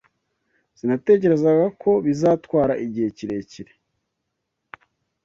Sinatekerezaga ko bizatwara igihe kirekire.